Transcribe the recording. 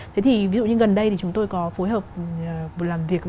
thế thì ví dụ như gần đây thì chúng tôi có phối hợp làm việc